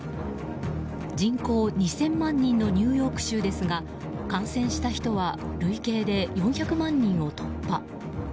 人口２０００万人のニューヨーク州ですが感染した人は累計で４００万人を突破。